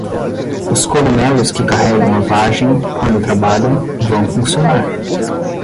Os cogumelos que carregam a vagem, quando trabalham, vão funcionar.